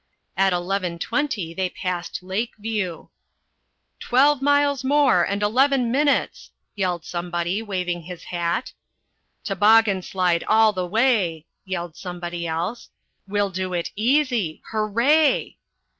At eleven twenty they passed Lake View. "Twelve miles more, and 11 minutes," yelled somebody, waving his hat. "Toboggan slide all the way," yelled somebody else. "We'll do it easy. Hooray!"